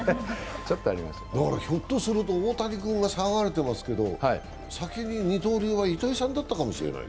ひょっとすると、大谷君が騒がれてますけど、先に二刀流は糸井さんだったかもしれない。